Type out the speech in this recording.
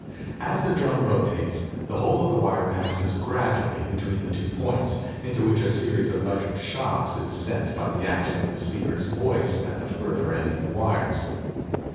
As the drum rotates, the whole of the wire passes gradually between the two points, into which a series of electric shocks is sent by the action of the speaker's voice at the further end of the wires.